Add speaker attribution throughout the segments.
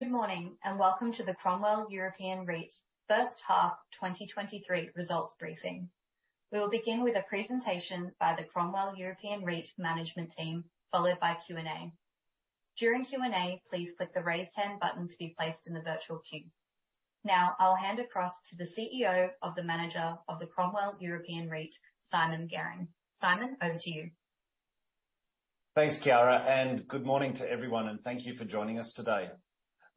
Speaker 1: Good morning, and welcome to the Cromwell European REIT's first half 2023 results briefing. We will begin with a presentation by the Cromwell European REIT management team, followed by Q&A. During Q&A, please click the Raise Hand button to be placed in the virtual queue. Now, I'll hand across to the CEO of the manager of the Cromwell European REIT, Simon Garing. Simon, over to you.
Speaker 2: Thanks, Kiara, good morning to everyone, and thank you for joining us today.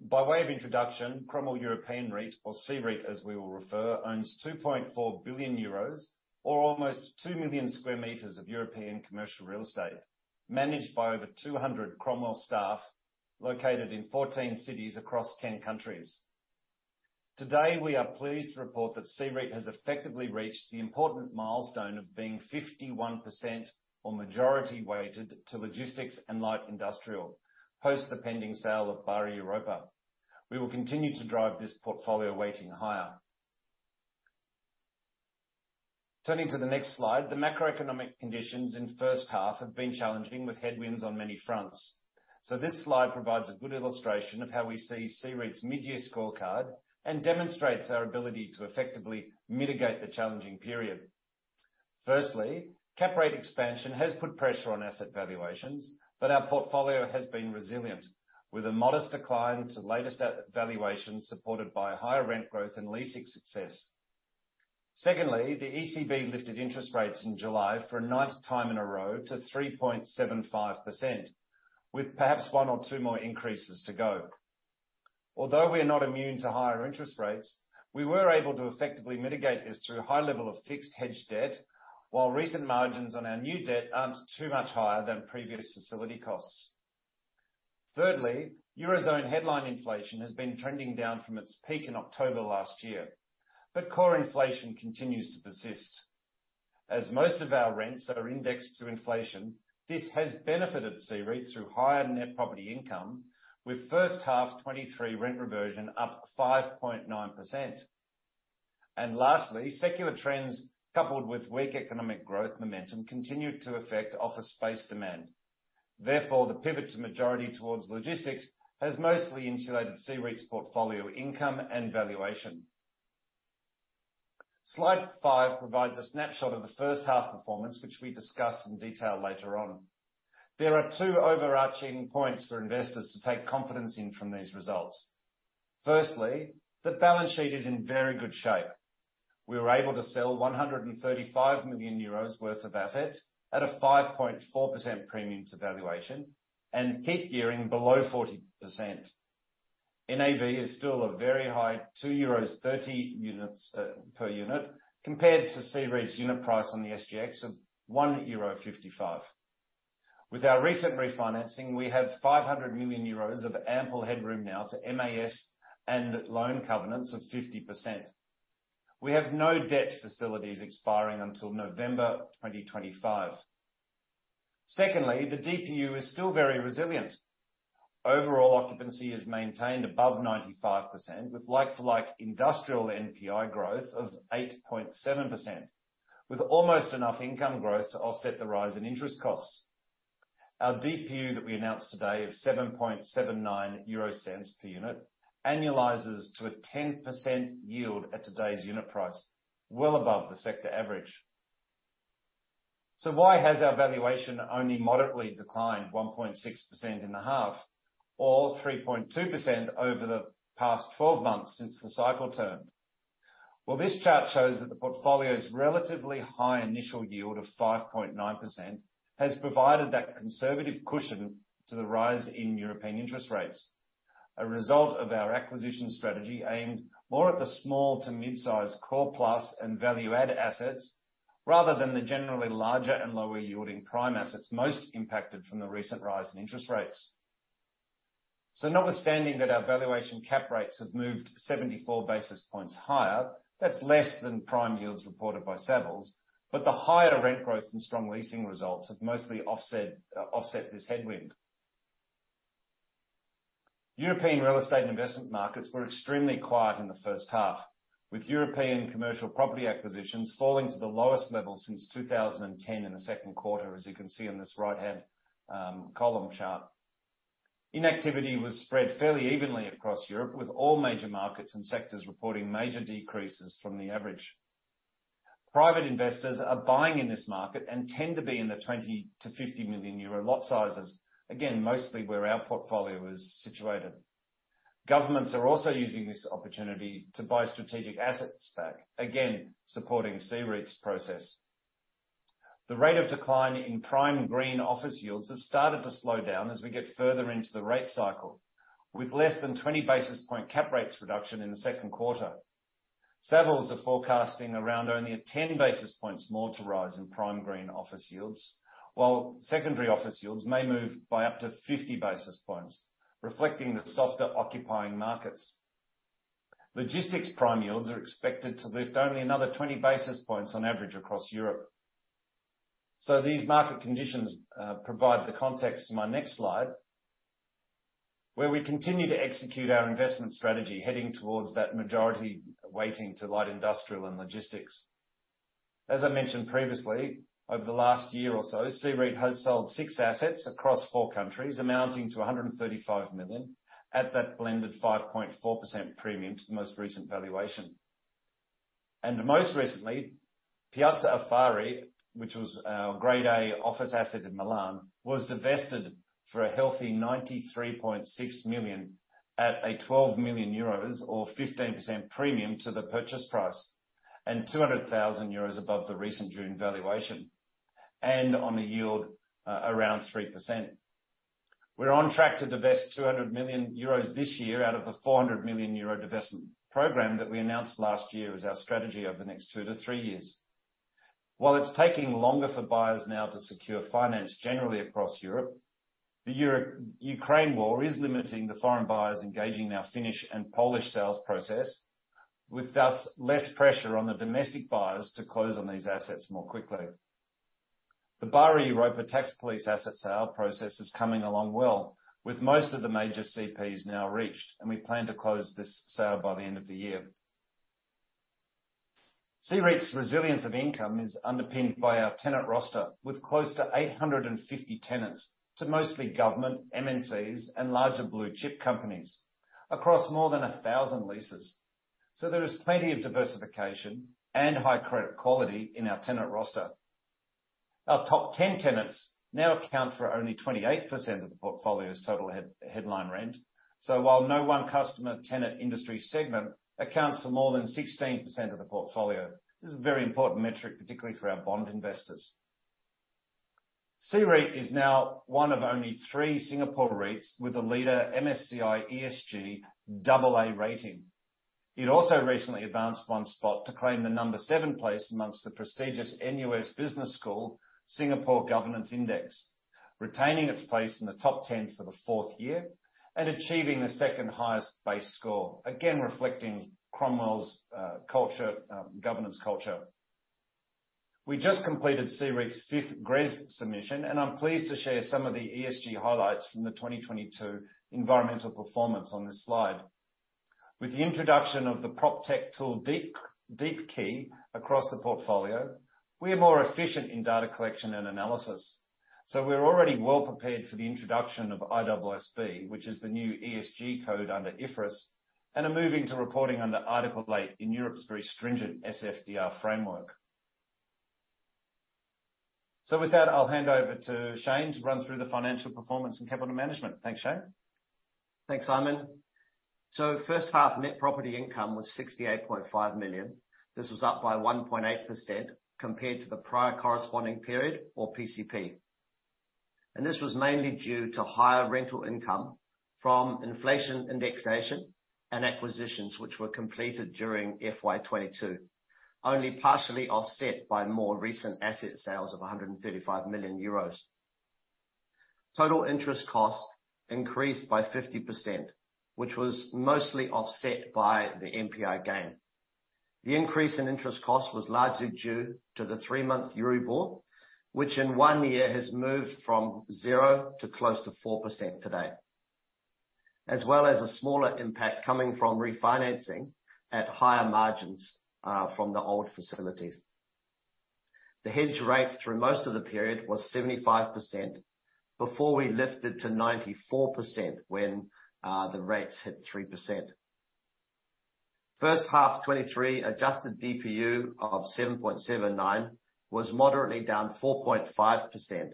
Speaker 2: By way of introduction, Cromwell European REIT, or CREIT, as we will refer, owns 2.4 billion euros or almost 2 million square meters of European commercial real estate, managed by over 200 Cromwell staff located in 14 cities across 10 countries. Today, we are pleased to report that CREIT has effectively reached the important milestone of being 51% or majority weighted to logistics and light industrial, post the pending sale of Bari Europa. We will continue to drive this portfolio weighting higher. Turning to the next slide, the macroeconomic conditions in the first half have been challenging, with headwinds on many fronts. This slide provides a good illustration of how we see CREIT's mid-year scorecard and demonstrates our ability to effectively mitigate the challenging period. Firstly, cap rate expansion has put pressure on asset valuations, but our portfolio has been resilient, with a modest decline to the latest valuation, supported by higher rent growth and leasing success. Secondly, the ECB lifted interest rates in July for a ninth time in a row to 3.75%, with perhaps one or two more increases to go. Although we are not immune to higher interest rates, we were able to effectively mitigate this through a high level of fixed hedge debt, while recent margins on our new debt aren't too much higher than previous facility costs. Thirdly, Eurozone headline inflation has been trending down from its peak in October last year, but core inflation continues to persist. As most of our rents are indexed to inflation, this has benefited CEREIT through higher net property income, with first half 2023 rent reversion up 5.9%. Lastly, secular trends, coupled with weak economic growth momentum, continued to affect office space demand. Therefore, the pivot to majority towards logistics has mostly insulated CEREIT's portfolio income and valuation. Slide 5 provides a snapshot of the first half performance, which we discuss in detail later on. There are two overarching points for investors to take confidence in from these results. Firstly, the balance sheet is in very good shape. We were able to sell 135 million euros worth of assets at a 5.4% premium to valuation and keep gearing below 40%. NAV is still a very high 2.30 euros per unit, compared to CEREIT's unit price on the SGX of 1.55 euro. With our recent refinancing, we have 500 million euros of ample headroom now to MAS and loan covenants of 50%. We have no debt facilities expiring until November 2025. Secondly, the DPU is still very resilient. Overall occupancy is maintained above 95%, with like-for-like industrial NPI growth of 8.7%, with almost enough income growth to offset the rise in interest costs. Our DPU, that we announced today, of 0.0779 per unit, annualizes to a 10% yield at today's unit price, well above the sector average. Why has our valuation only moderately declined 1.6% in the half, or 3.2% over the past 12 months since the cycle turned? This chart shows that the portfolio's relatively high initial yield of 5.9% has provided that conservative cushion to the rise in European interest rates, a result of our acquisition strategy aimed more at the small to mid-size core plus and value add assets, rather than the generally larger and lower-yielding prime assets most impacted from the recent rise in interest rates. Notwithstanding that our valuation cap rates have moved 74 basis points higher, that's less than prime yields reported by Savills, but the higher rent growth and strong leasing results have mostly offset, offset this headwind. European real estate investment markets were extremely quiet in the first half, with European commercial property acquisitions falling to the lowest level since 2010 in the second quarter, as you can see on this right-hand column chart. Inactivity was spread fairly evenly across Europe, with all major markets and sectors reporting major decreases from the average. Private investors are buying in this market and tend to be in the 20 million-50 million euro lot sizes, again, mostly where our portfolio is situated. Governments are also using this opportunity to buy strategic assets back, again, supporting CEREIT's process. The rate of decline in prime green office yields have started to slow down as we get further into the rate cycle, with less than 20 basis point cap rates reduction in the second quarter. Savills are forecasting around only a 10 basis points more to rise in prime green office yields, while secondary office yields may move by up to 50 basis points, reflecting the softer occupying markets. Logistics prime yields are expected to lift only another 20 basis points on average across Europe. These market conditions provide the context to my next slide, where we continue to execute our investment strategy, heading towards that majority weighting to light industrial and logistics. As I mentioned previously, over the last year or so, CEREIT has sold six assets across four countries, amounting to 135 million, at that blended 5.4% premium to the most recent valuation. Most recently, Piazza Affari, which was our Grade A office asset in Milan, was divested for a healthy 93.6 million at a 12 million euros or 15% premium to the purchase price, and 200,000 euros above the recent June valuation, and on a yield around 3%. We're on track to divest 200 million euros this year out of the 400 million euro divestment program that we announced last year as our strategy over the next two to three years. While it's taking longer for buyers now to secure finance generally across Europe, the Europe-Ukraine war is limiting the foreign buyers engaging in our Finnish and Polish sales process, with thus less pressure on the domestic buyers to close on these assets more quickly. The Bari Europa Tax Police asset sale process is coming along well, with most of the major CPs now reached. We plan to close this sale by the end of the year. CEREIT's resilience of income is underpinned by our tenant roster, with close to 850 tenants, to mostly government, MNCs, and larger blue chip companies across more than 1,000 leases. There is plenty of diversification and high credit quality in our tenant roster. Our top 10 tenants now account for only 28% of the portfolio's total headline rent. While no one customer tenant industry segment accounts for more than 16% of the portfolio, this is a very important metric, particularly for our bond investors. CEREIT is now one of only three Singapore REITs with a leader MSCI ESG AA rating. It also recently advanced one spot to claim the number seven place amongst the prestigious NUS Business School Singapore Governance Index, retaining its place in the top 10 for the fourth year and achieving the second highest base score, again, reflecting Cromwell's culture, governance culture. We just completed CEREIT's fifth GRESB submission, and I'm pleased to share some of the ESG highlights from the 2022 environmental performance on this slide. With the introduction of the PropTech tool, Deepki, across the portfolio, we are more efficient in data collection and analysis, so we're already well prepared for the introduction of ISSB, which is the new ESG code under IFRS, and are moving to reporting under Article 8 in Europe's very stringent SFDR framework. With that, I'll hand over to Shane to run through the financial performance and capital management. Thanks, Shane.
Speaker 3: Thanks, Simon. First half, Net property income was 68.5 million. This was up by 1.8% compared to the prior corresponding period, or PCP, and this was mainly due to higher rental income from inflation indexation and acquisitions which were completed during FY 2022, only partially offset by more recent asset sales of 135 million euros. Total interest costs increased by 50%, which was mostly offset by the NPI gain. The increase in interest cost was largely due to the three month Euribor, which in one year has moved from 0% to close to 4% today, as well as a smaller impact coming from refinancing at higher margins from the old facilities. The hedge rate through most of the period was 75%, before we lifted to 94% when the rates hit 3%. First half 2023 adjusted DPU of 0.0779 was moderately down 4.5%,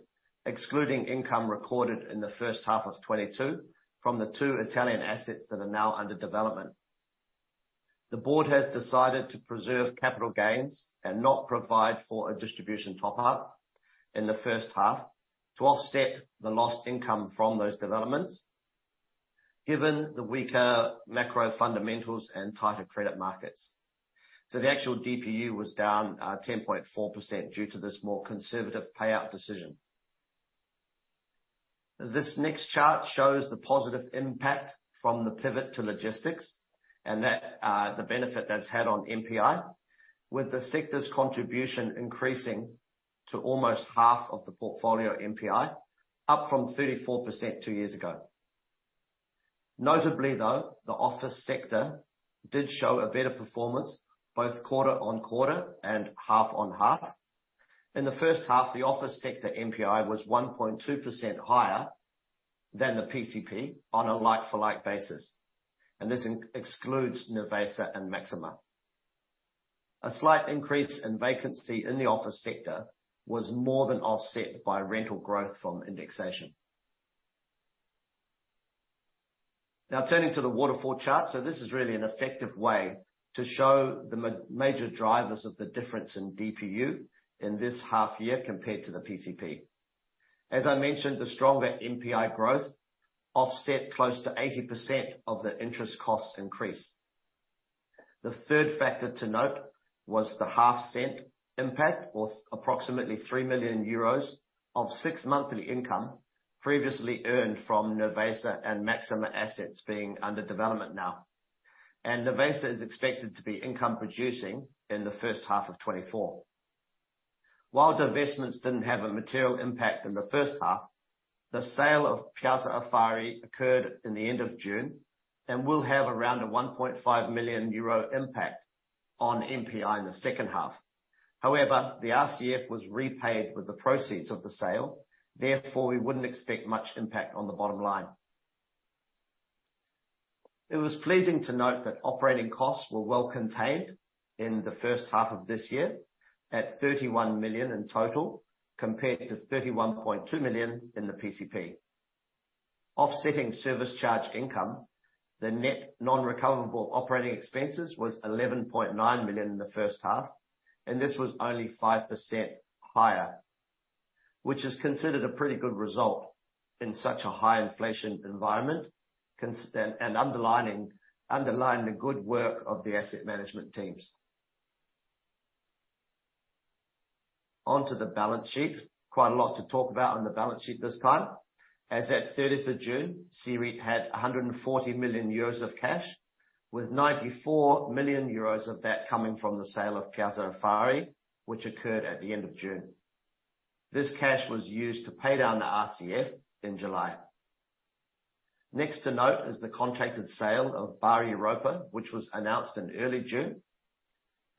Speaker 3: excluding income recorded in the first half of 2022 from the two Italian assets that are now under development. The board has decided to preserve capital gains and not provide for a distribution top-up in the first half to offset the lost income from those developments, given the weaker macro fundamentals and tighter credit markets. The actual DPU was down 10.4% due to this more conservative payout decision. This next chart shows the positive impact from the pivot to logistics and that the benefit that's had on NPI, with the sector's contribution increasing to almost half of the portfolio NPI, up from 34% two years ago. Notably, though, the office sector did show a better performance both quarter-on-quarter and half-on-half. In the first half, the office sector NPI was 1.2% higher than the PCP on a like-for-like basis, and this excludes Nervesa and Maxima. A slight increase in vacancy in the office sector was more than offset by rental growth from indexation. Turning to the waterfall chart, so this is really an effective way to show the major drivers of the difference in DPU in this half year compared to the PCP. As I mentioned, the stronger NPI growth offset close to 80% of the interest cost increase. The third factor to note was the EUR 0.005 impact, or approximately 3 million euros of six monthly income previously earned from Nervesa and Maxima assets being under development now. Nervesa is expected to be income producing in the first half of 2024.... While divestments didn't have a material impact in the first half, the sale of Piazza Affari occurred in the end of June, and will have around a 1.5 million euro impact on NPI in the second half. However, the RCF was repaid with the proceeds of the sale, therefore, we wouldn't expect much impact on the bottom line. It was pleasing to note that operating costs were well contained in the first half of this year, at 31 million in total, compared to 31.2 million in the PCP. Offsetting service charge income, the net non-recoverable operating expenses was 11.9 million in the first half. This was only 5% higher, which is considered a pretty good result in such a high inflation environment, and underlining, underlying the good work of the asset management teams. On to the balance sheet. Quite a lot to talk about on the balance sheet this time. As at 30th of June, CEREIT had 140 million euros of cash, with 94 million euros of that coming from the sale of Piazza Affari, which occurred at the end of June. This cash was used to pay down the RCF in July. Next to note is the contracted sale of Viale Europa 95, which was announced in early June.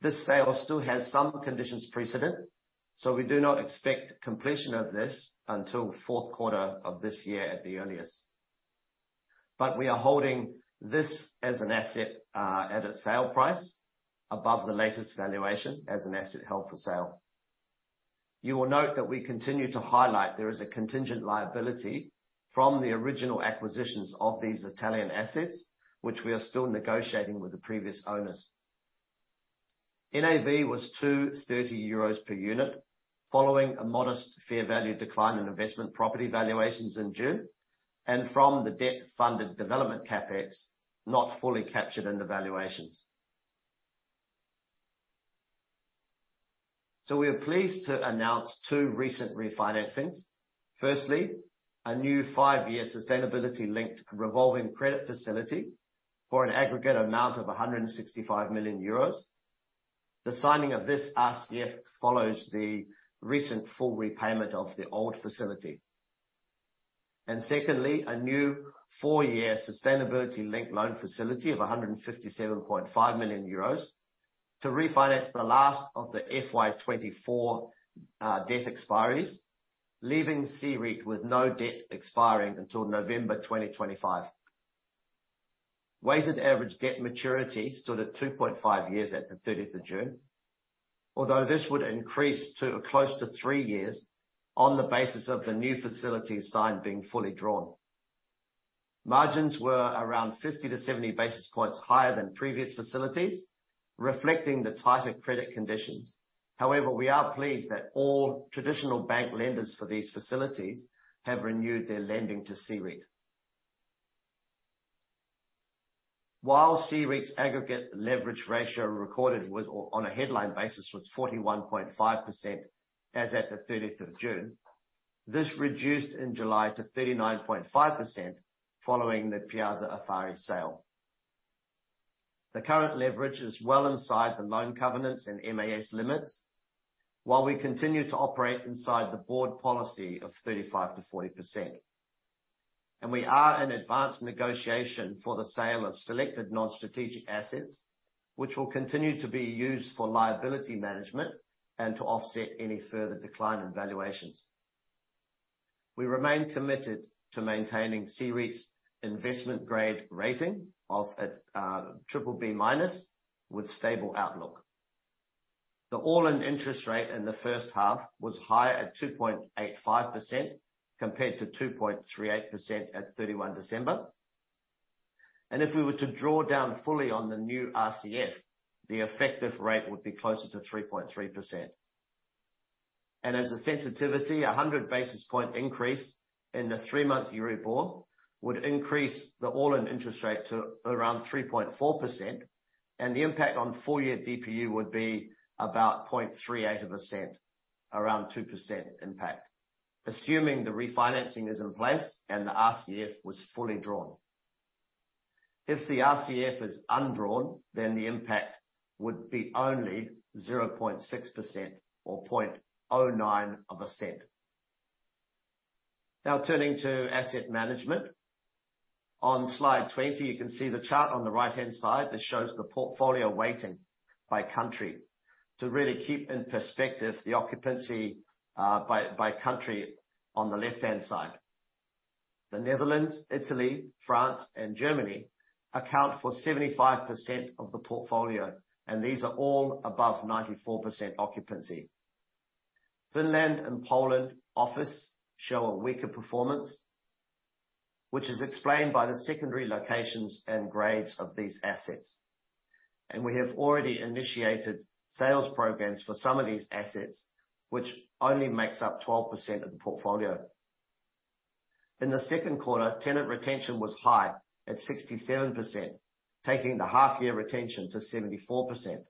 Speaker 3: This sale still has some conditions precedent, so we do not expect completion of this until 4th quarter of this year, at the earliest. We are holding this as an asset, at a sale price above the latest valuation, as an asset held for sale. You will note that we continue to highlight there is a contingent liability from the original acquisitions of these Italian assets, which we are still negotiating with the previous owners. NAV was 2.30 euros per unit, following a modest fair value decline in investment property valuations in June, and from the debt-funded development CapEx, not fully captured in the valuations. We are pleased to announce two recent refinancings. Firstly, a new five-year sustainability-linked revolving credit facility for an aggregate amount of 165 million euros. The signing of this RCF follows the recent full repayment of the old facility. Secondly, a new four-year sustainability-linked loan facility of 157.5 million euros, to refinance the last of the FY 2024 debt expiries, leaving CEREIT with no debt expiring until November 2025. Weighted average debt maturity stood at 2.5 years at the 30th of June, although this would increase to close to three years on the basis of the new facilities signed being fully drawn. Margins were around 50-70 basis points higher than previous facilities, reflecting the tighter credit conditions. However, we are pleased that all traditional bank lenders for these facilities have renewed their lending to CEREIT. While CEREIT's aggregate leverage ratio recorded was, or on a headline basis, was 41.5% as at the 30th of June, this reduced in July to 39.5%, following the Piazza Affari sale. The current leverage is well inside the loan covenants and MAS limits, while we continue to operate inside the board policy of 35%-40%. We are in advanced negotiation for the sale of selected non-strategic assets, which will continue to be used for liability management and to offset any further decline in valuations. We remain committed to maintaining CEREIT's investment grade rating of at triple B-, with stable outlook. The all-in interest rate in the first half was higher at 2.85%, compared to 2.38% at 31 December. If we were to draw down fully on the new RCF, the effective rate would be closer to 3.3%. As a sensitivity, a 100 basis point increase in the three month Euribor would increase the all-in interest rate to around 3.4%, and the impact on full year DPU would be about 0.38%, around 2% impact, assuming the refinancing is in place and the RCF was fully drawn. If the RCF is undrawn, then the impact would be only 0.6% or 0.09. Turning to asset management. On Slide 20, you can see the chart on the right-hand side that shows the portfolio weighting by country to really keep in perspective the occupancy, by, by country on the left-hand side. The Netherlands, Italy, France, and Germany account for 75% of the portfolio, and these are all above 94% occupancy. Finland and Poland office show a weaker performance, which is explained by the secondary locations and grades of these assets. We have already initiated sales programs for some of these assets, which only makes up 12% of the portfolio. In the second quarter, tenant retention was high at 67%, taking the half year retention to 74%,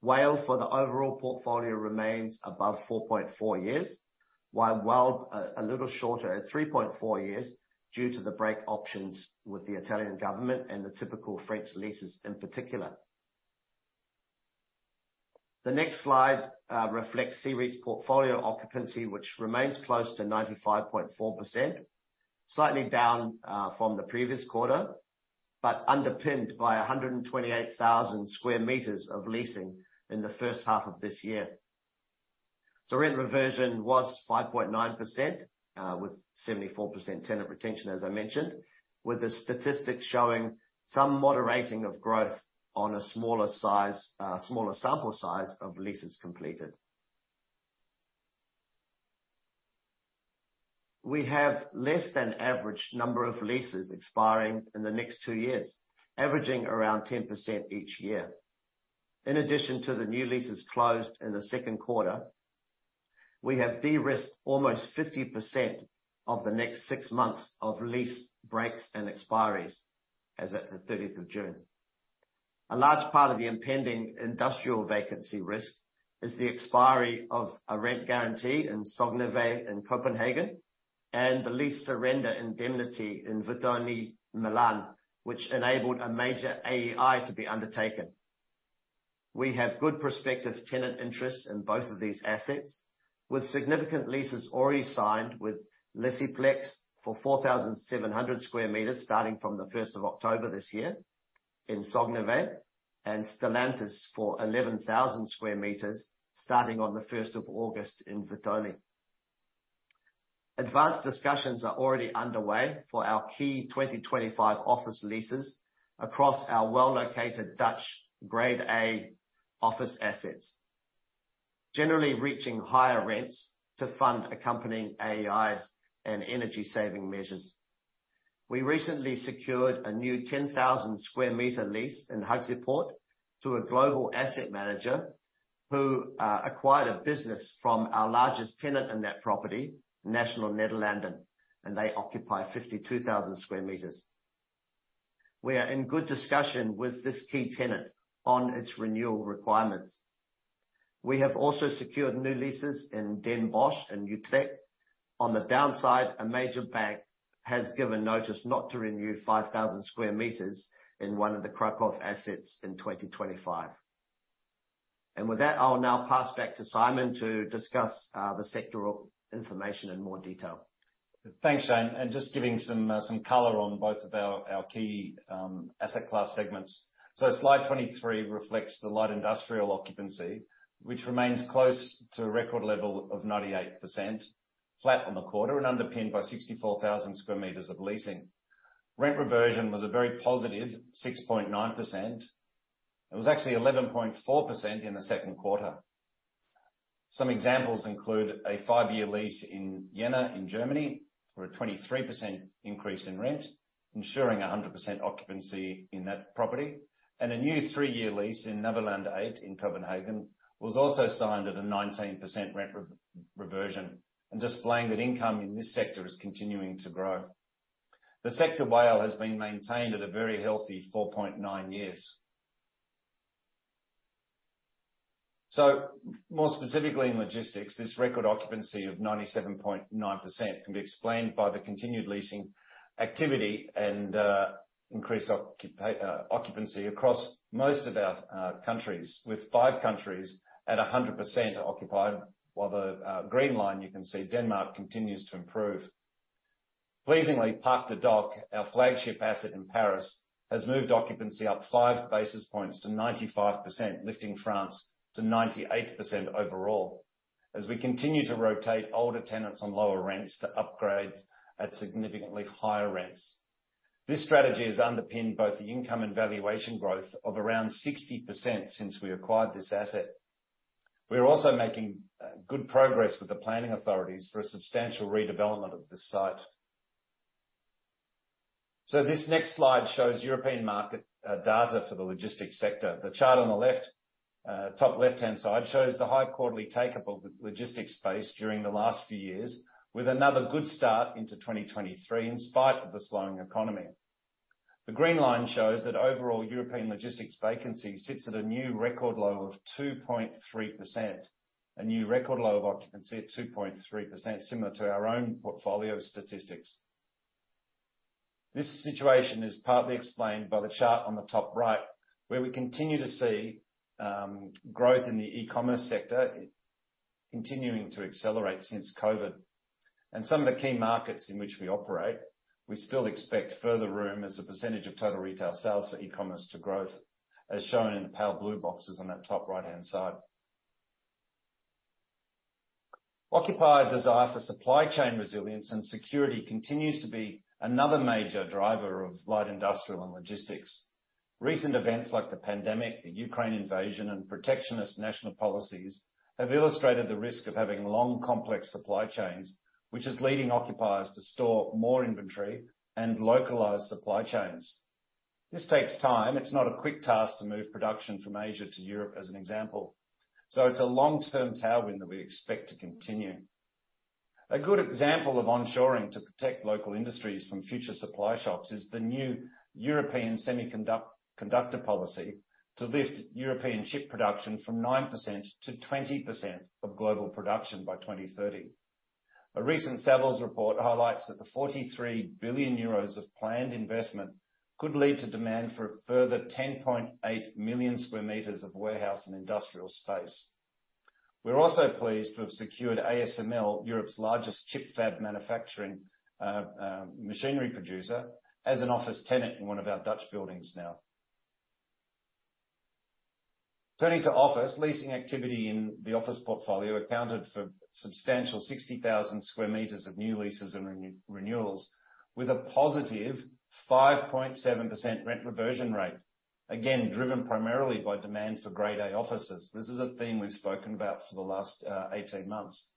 Speaker 3: while for the overall portfolio remains above 4.4 years. While, a little shorter at 3.4 years, due to the break options with the Italian government and the typical French leases in particular. The next slide reflects CEREIT's portfolio occupancy, which remains close to 95.4%, slightly down from the previous quarter, but underpinned by 128,000 square meters of leasing in the first half of this year. Rent reversion was 5.9% with 74% tenant retention, as I mentioned, with the statistics showing some moderating of growth on a smaller size, smaller sample size of leases completed. We have less than average number of leases expiring in the next two years, averaging around 10% each year. In addition to the new leases closed in the second quarter, we have de-risked almost 50% of the next six months of lease breaks and expiries, as at the 30th of June. A large part of the impending industrial vacancy risk is the expiry of a rent guarantee in Sognevej in Copenhagen, and the lease surrender indemnity in Vittuone, Milan, which enabled a major AEI to be undertaken. We have good prospective tenant interest in both of these assets, with significant leases already signed with LesiPlex for 4,700 sq m, starting from October 1st this year in Sognevej, and Stellantis for 11,000 sq m, starting on August 1st in Vittuone. Advanced discussions are already underway for our key 2025 office leases across our well-located Dutch Grade A office assets, generally reaching higher rents to fund accompanying AEIs and energy saving measures. We recently secured a new 10,000 sq m lease in Haagse Poort to a global asset manager, who acquired a business from our largest tenant in that property, Nationale-Nederlanden, and they occupy 52,000 sq m. We are in good discussion with this key tenant on its renewal requirements. We have also secured new leases in Den Bosch and Utrecht. On the downside, a major bank has given notice not to renew 5,000 square meters in one of the Krakow assets in 2025. With that, I'll now pass back to Simon to discuss the sectoral information in more detail.
Speaker 2: Thanks, Shane, just giving some color on both of our, our key asset class segments. Slide 23 reflects the light industrial occupancy, which remains close to a record level of 98%, flat on the quarter, and underpinned by 64,000 square meters of leasing. Rent reversion was a very positive 6.9%. It was actually 11.4% in the second quarter. Some examples include a five year lease in Jena, in Germany, for a 23% increase in rent, ensuring a 100% occupancy in that property, and a new three year lease in Naverland 8, in Copenhagen, was also signed at a 19% rent reversion, and displaying that income in this sector is continuing to grow. The sector WALE has been maintained at a very healthy 4.9 years. More specifically, in logistics, this record occupancy of 97.9% can be explained by the continued leasing activity and increased occupancy across most of our countries, with five countries at 100% occupied, while the green line, you can see Denmark continues to improve. Pleasingly, Parc des Docks, our flagship asset in Paris, has moved occupancy up 5 basis points to 95%, lifting France to 98% overall, as we continue to rotate older tenants on lower rents to upgrade at significantly higher rents. This strategy has underpinned both the income and valuation growth of around 60% since we acquired this asset. We are also making good progress with the planning authorities for a substantial redevelopment of this site. This next slide shows European market data for the logistics sector. The chart on the left, top left-hand side, shows the high quarterly take-up of logistics space during the last few years, with another good start into 2023, in spite of the slowing economy. The green line shows that overall European logistics vacancy sits at a new record low of 2.3%, a new record low of occupancy at 2.3%, similar to our own portfolio statistics. This situation is partly explained by the chart on the top right, where we continue to see growth in the e-commerce sector continuing to accelerate since COVID. Some of the key markets in which we operate, we still expect further room as a percentage of total retail sales for e-commerce to growth, as shown in the pale blue boxes on that top right-hand side. Occupier desire for supply chain resilience and security continues to be another major driver of light industrial and logistics. Recent events like the pandemic, the Ukraine invasion, and protectionist national policies, have illustrated the risk of having long, complex supply chains, which is leading occupiers to store more inventory and localize supply chains. This takes time. It's not a quick task to move production from Asia to Europe, as an example, so it's a long-term tailwind that we expect to continue. A good example of onshoring to protect local industries from future supply shocks, is the new European conductor policy to lift European chip production from 9%-20% of global production by 2030. A recent Savills report highlights that the 43 billion euros of planned investment could lead to demand for a further 10.8 million square meters of warehouse and industrial space. We're also pleased to have secured ASML, Europe's largest chip fab manufacturing machinery producer, as an office tenant in one of our Dutch buildings now. Turning to office, leasing activity in the office portfolio accounted for substantial 60,000 square meters of new leases and renewals, with a positive 5.7% rent reversion rate, again, driven primarily by demand for Grade A offices. This is a theme we've spoken about for the last 18 months.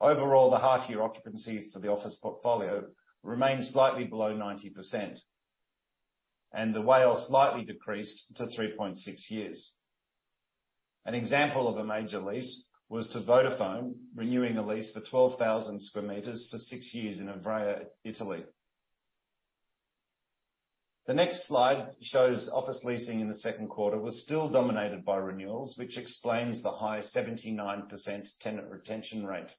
Speaker 2: Overall, the half-year occupancy for the office portfolio remains slightly below 90%, and the WALE slightly decreased to 3.6 years. An example of a major lease was to Vodafone, renewing a lease for 12,000 square meters for six years in Ivrea, Italy. The next slide shows office leasing in the second quarter was still dominated by renewals, which explains the high 79% tenant retention rate.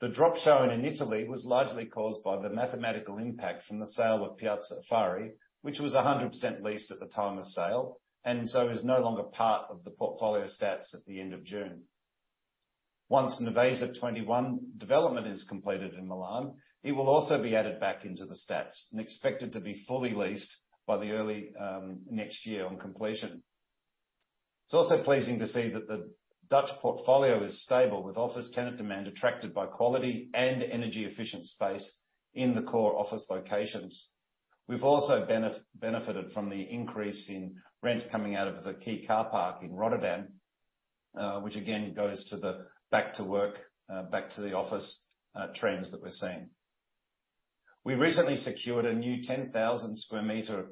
Speaker 2: The drop shown in Italy was largely caused by the mathematical impact from the sale of Piazza Affari, which was 100% leased at the time of sale, and so is no longer part of the portfolio stats at the end of June. Once Nervesa 21 development is completed in Milan, it will also be added back into the stats and expected to be fully leased by the early next year on completion. It's also pleasing to see that the Dutch portfolio is stable, with office tenant demand attracted by quality and energy efficient space in the core office locations. We've also benefited from the increase in rent coming out of the key car park in Rotterdam, which again goes to the back to work, back to the office, trends that we're seeing. We recently secured a new 10,000 square meter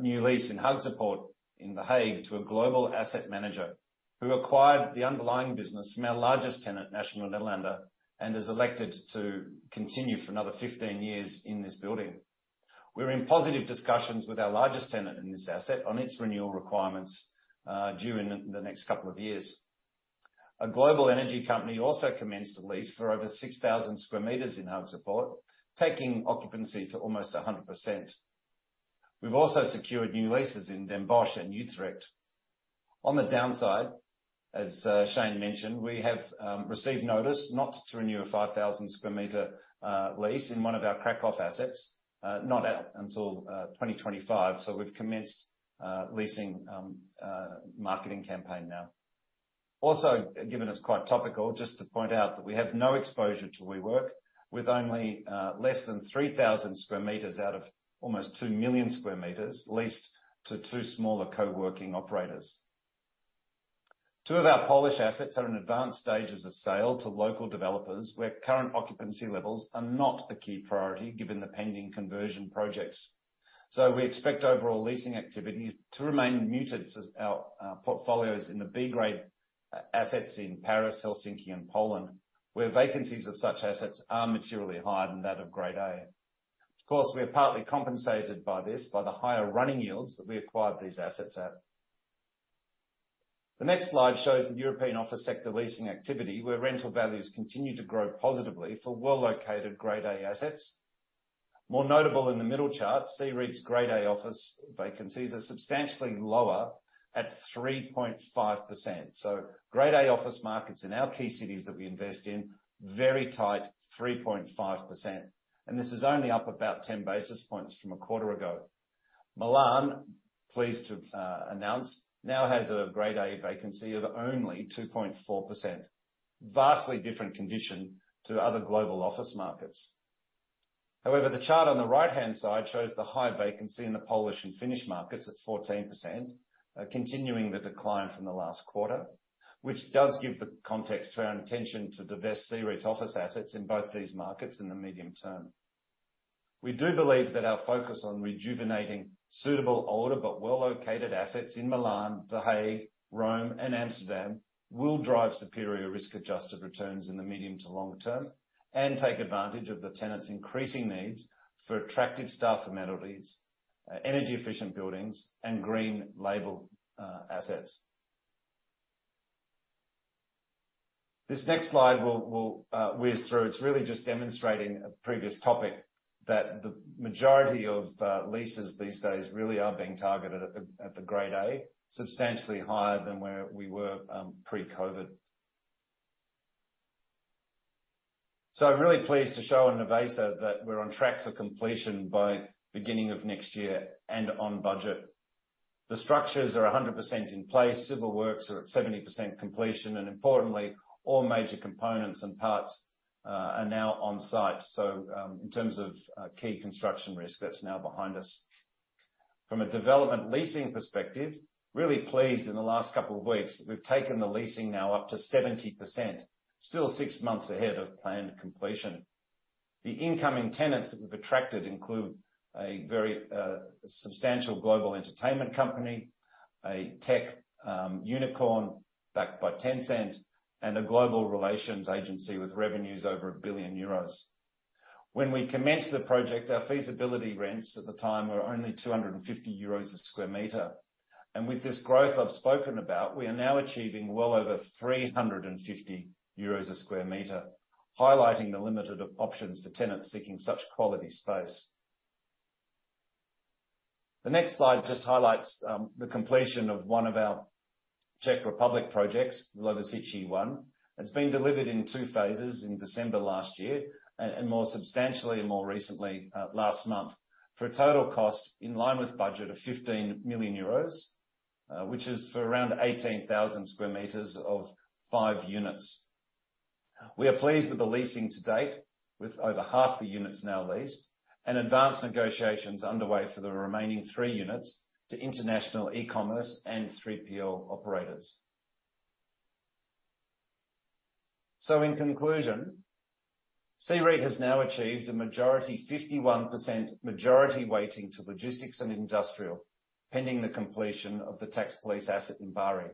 Speaker 2: new lease in Haagse Poort in The Hague, to a global asset manager, who acquired the underlying business from our largest tenant, Nationale-Nederlanden, and has elected to continue for another 15 years in this building. We're in positive discussions with our largest tenant in this asset on its renewal requirements, due in the next couple of years. A global energy company also commenced a lease for over 6,000 square meters in Haagse Poort, taking occupancy to almost 100%. We've also secured new leases in Den Bosch and Utrecht. On the downside, as Shane mentioned, we have received notice not to renew a 5,000 sq m lease in one of our Kraków assets, not out until 2025. We've commenced a leasing marketing campaign now. Also, given it's quite topical, just to point out that we have no exposure to WeWork, with only less than 3,000 sq m out of almost 2 million sq m leased to two smaller co-working operators. Two of our Polish assets are in advanced stages of sale to local developers, where current occupancy levels are not a key priority, given the pending conversion projects. We expect overall leasing activity to remain muted as our portfolios in the B-grade assets in Paris, Helsinki, and Poland, where vacancies of such assets are materially higher than that of Grade A. Of course, we are partly compensated by this by the higher running yields that we acquired these assets at. The next slide shows the European office sector leasing activity, where rental values continue to grow positively for well-located grade A assets. More notable in the middle chart, CEREIT's grade A office vacancies are substantially lower, at 3.5%. Grade A office markets in our key cities that we invest in, very tight, 3.5%, and this is only up about 10 basis points from a quarter ago. Milan, pleased to announce, now has a grade A vacancy of only 2.4%. Vastly different condition to other global office markets. The chart on the right-hand side shows the high vacancy in the Polish and Finnish markets at 14%, continuing the decline from the last quarter, which does give the context for our intention to divest CEREIT's office assets in both these markets in the medium term. We do believe that our focus on rejuvenating suitable, older, but well-located assets in Milan, The Hague, Rome, and Amsterdam, will drive superior risk-adjusted returns in the medium to long term, and take advantage of the tenants' increasing needs for attractive staff amenities, energy efficient buildings, and green label assets. This next slide, we'll whiz through. It's really just demonstrating a previous topic, that the majority of leases these days really are being targeted at the, at the grade A, substantially higher than where we were pre-COVID. I'm really pleased to show on Nervesa 21 that we're on track for completion by beginning of next year and on budget. The structures are 100% in place, civil works are at 70% completion, and importantly, all major components and parts are now on site, so, in terms of key construction risk, that's now behind us. From a development leasing perspective, really pleased in the last couple of weeks, we've taken the leasing now up to 70%, still six months ahead of planned completion. The incoming tenants that we've attracted include a very substantial global entertainment company, a tech unicorn backed by Tencent, and a global relations agency with revenues over 1 billion euros. When we commenced the project, our feasibility rents at the time were only 250 euros a square meter, and with this growth I've spoken about, we are now achieving well over 350 euros a square meter, highlighting the limited of options to tenants seeking such quality space. The next slide just highlights the completion of one of our Czech Republic projects, Lovosice ONE. It's been delivered in two phases, in December last year, and more substantially and more recently, last month, for a total cost in line with budget of 15 million euros, which is for around 18,000 square meters of 5-units. We are pleased with the leasing to date, with over half the units now leased, advanced negotiations underway for the remaining 3-units to international e-commerce and 3PL operators. In conclusion, CEREIT has now achieved a majority, 51% majority weighting to logistics and industrial, pending the completion of the Tax Police asset in Bari.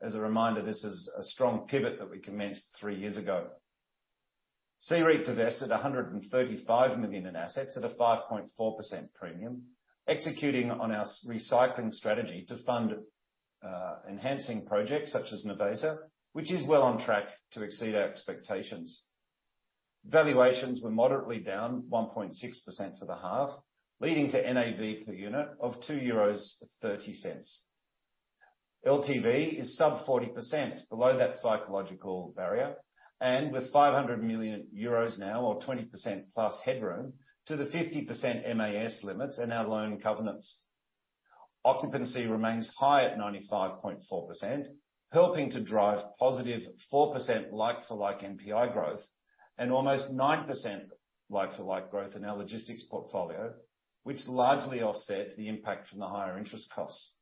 Speaker 2: As a reminder, this is a strong pivot that we commenced 3 years ago. CEREIT divested 135 million in assets at a 5.4% premium, executing on our recycling strategy to fund enhancing projects such as Nervesa 21, which is well on track to exceed our expectations. Valuations were moderately down 1.6% for the half, leading to NAV per unit of 2.30 euros. LTV is sub 40%, below that psychological barrier, and with 500 million euros now, or 20%+ headroom to the 50% MAS limits and our loan covenants. Occupancy remains high at 95.4%, helping to drive positive 4% like-for-like NPI growth, and almost 9% like-for-like growth in our logistics portfolio, which largely offset the impact from the higher interest costs.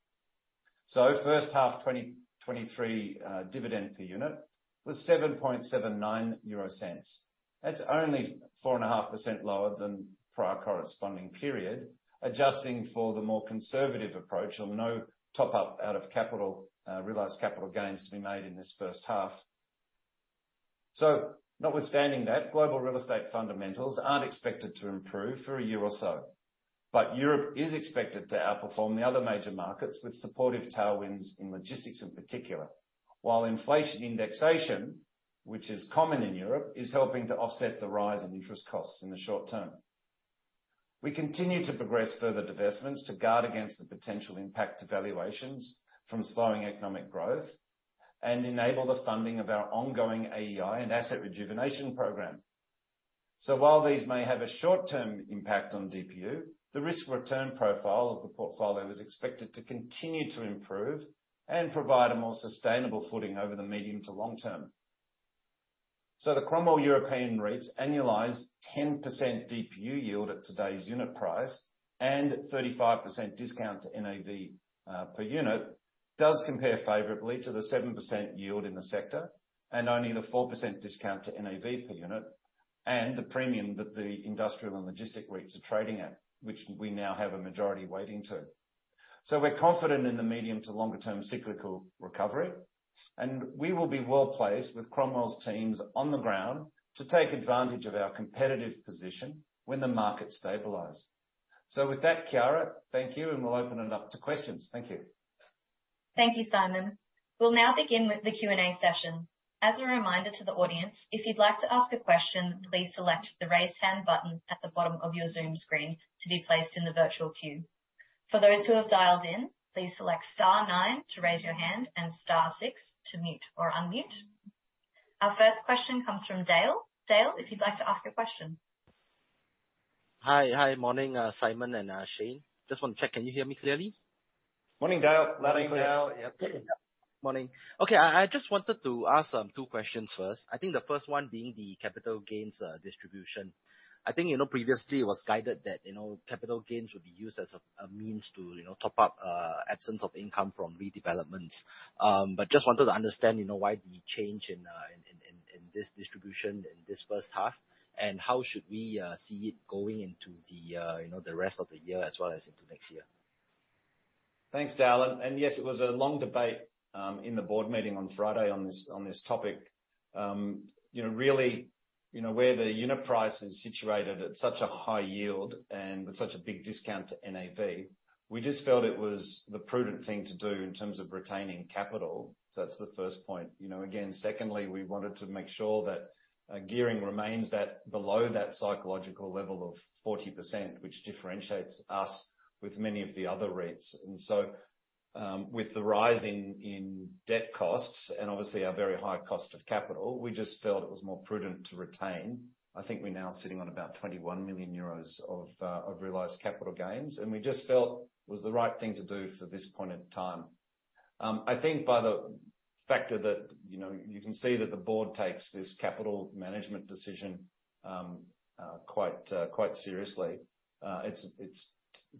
Speaker 2: So first half 2023 dividend per unit was 0.0779. That's only 4.5% lower than prior corresponding period, adjusting for the more conservative approach and no top up out of realized capital gains to be made in this first half. Notwithstanding that, global real estate fundamentals aren't expected to improve for a year or so, but Europe is expected to outperform the other major markets, with supportive tailwinds in logistics in particular, while inflation indexation, which is common in Europe, is helping to offset the rise in interest costs in the short term. We continue to progress further divestments to guard against the potential impact to valuations from slowing economic growth, and enable the funding of our ongoing AEI and asset rejuvenation program. While these may have a short-term impact on DPU, the risk return profile of the portfolio is expected to continue to improve and provide a more sustainable footing over the medium to long term. The Cromwell European REIT's annualized 10% DPU yield at today's unit price, and 35% discount to NAV per unit, does compare favorably to the 7% yield in the sector, and only the 4% discount to NAV per unit, and the premium that the industrial and logistic rates are trading at, which we now have a majority weighting to. We're confident in the medium to longer term cyclical recovery, and we will be well placed with Cromwell's teams on the ground to take advantage of our competitive position when the market stabilizes. With that, Chiara, thank you, and we'll open it up to questions. Thank you.
Speaker 1: Thank you, Simon. We'll now begin with the Q&A session. As a reminder to the audience, if you'd like to ask a question, please select the Raise Hand button at the bottom of your Zoom screen to be placed in the virtual queue. For those who have dialed in, please select star nine to raise your hand and star six to mute or unmute. Our first question comes from Dale. Dale, if you'd like to ask a question.
Speaker 4: Hi, hi. Morning, Simon and Shane. Just want to check, can you hear me clearly?
Speaker 2: Morning, Dale. Loud and clear.
Speaker 1: Morning, Dale. Yep.
Speaker 4: Morning. Okay, I, I just wanted to ask, two questions first. I think the first one being the capital gains, distribution. I think, you know, previously it was guided that, you know, capital gains would be used as a, a means to, you know, top up, absence of income from redevelopments. Just wanted to understand, you know, why the change in, in, in, in, in this distribution in this first half, and how should we, see it going into the, you know, the rest of the year as well as into next year?
Speaker 2: Thanks, Dale, and yes, it was a long debate in the board meeting on Friday on this, on this topic. You know, really, you know, where the unit price is situated at such a high yield and with such a big discount to NAV, we just felt it was the prudent thing to do in terms of retaining capital. That's the first point. You know, again, secondly, we wanted to make sure that gearing remains that below that psychological level of 40%, which differentiates us with many of the other REITs. With the rising in debt costs, and obviously our very high cost of capital, we just felt it was more prudent to retain. I think we're now sitting on about 21 million euros of realized capital gains, and we just felt it was the right thing to do for this point in time. I think by the factor that, you know, you can see that the board takes this capital management decision, quite, quite seriously, it's, it's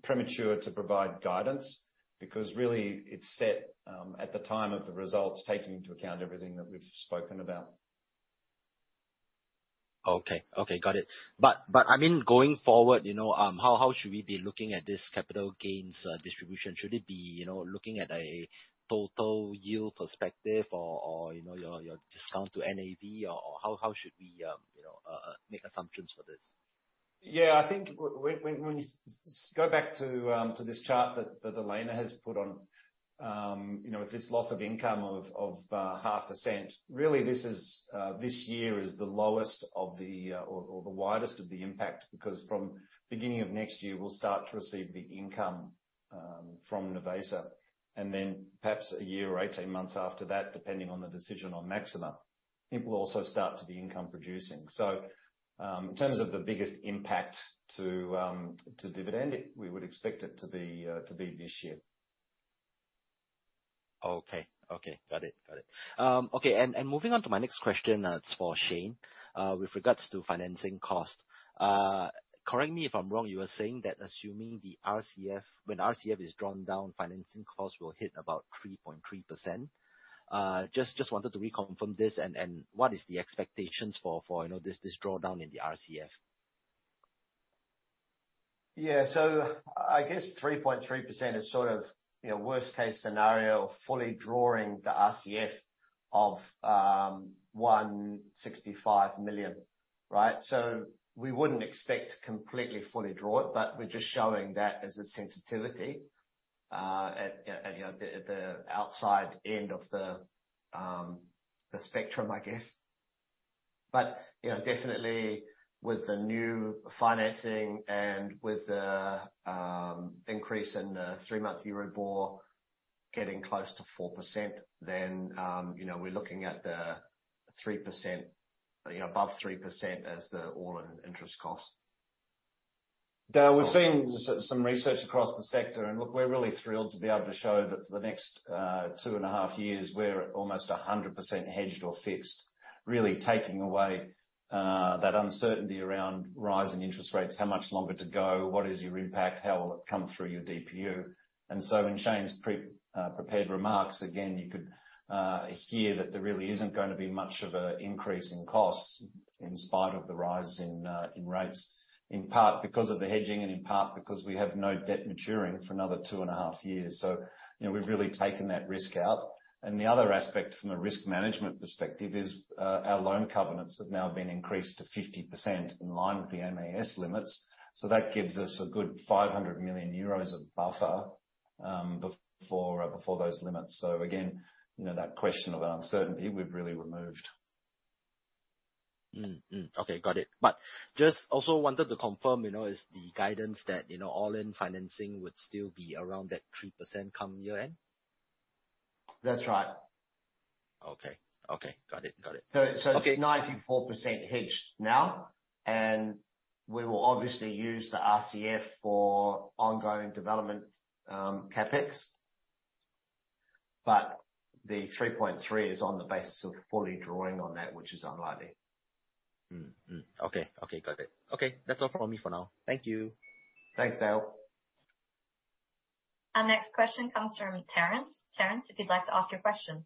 Speaker 2: premature to provide guidance, because really it's set at the time of the results, taking into account everything that we've spoken about.
Speaker 4: Okay. Okay, got it. I mean, going forward, you know, how, how should we be looking at this capital gains distribution? Should it be, you know, looking at a total yield perspective or, or, you know, your, your discount to NAV, or, or how, how should we, you know, make assumptions for this?
Speaker 2: Yeah, I think when, when you go back to, to this chart that, that Elena has put on, you know, with this loss of income of, of 0.5%, really this is, this year is the lowest of the, or, or the widest of the impact, because from beginning of next year, we'll start to receive the income, from Nervesa 21, and then perhaps a year or 18 months after that, depending on the decision on Maxima, it will also start to be income producing. In terms of the biggest impact to dividend, we would expect it to be, to be this year.
Speaker 4: Okay. Okay. Got it, got it. Okay, moving on to my next question, it's for Shane with regards to financing cost. Correct me if I'm wrong, you were saying that assuming the RCF, when RCF is drawn down, financing costs will hit about 3.3%. Just wanted to reconfirm this, and what is the expectations for, you know, this drawdown in the RCF?
Speaker 2: Yeah. I guess 3.3% is sort of, you know, worst case scenario, fully drawing the RCF of 165 million, right? We wouldn't expect to completely fully draw it, but we're just showing that as a sensitivity, at, at, you know, the, the outside end of the spectrum, I guess. You know, definitely with the new financing and with the increase in the three-month Euribor getting close to 4%, you know, we're looking at the 3%, you know, above 3% as the all-in interest cost. Dale, we've seen some research across the sector, and look, we're really thrilled to be able to show that for the next 2.5 years, we're at almost 100% hedged or fixed, really taking away that uncertainty around rising interest rates, how much longer to go, what is your impact, how will it come through your DPU? So, in Shane's pre, prepared remarks, again, you could hear that there really isn't going to be much of an increase in costs in spite of the rise in rates, in part because of the hedging, and in part because we have no debt maturing for another 2.5 years. You know, we've really taken that risk out. The other aspect from a risk management perspective is, our loan covenants have now been increased to 50% in line with the MAS limits, so that gives us a good 500 million euros of buffer before those limits. Again, you know, that question around certainty, we've really removed.
Speaker 4: Okay, got it. Just also wanted to confirm, you know, is the guidance that, you know, all-in financing would still be around that 3% come year-end?
Speaker 2: That's right.
Speaker 4: Okay. Okay. Got it. Got it.
Speaker 2: So, so-
Speaker 4: Okay.
Speaker 2: It's 94% hedged now, and we will obviously use the RCF for ongoing development, CapEx, but the 3.3 is on the basis of fully drawing on that, which is unlikely.
Speaker 4: Okay. Okay. Got it. Okay, that's all from me for now. Thank you.
Speaker 2: Thanks, Dale.
Speaker 1: Our next question comes from Terrence. Terrence, if you'd like to ask your question.